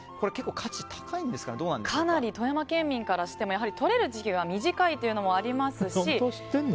かなり富山県民からしてもとれる時期が短いというのもありますし。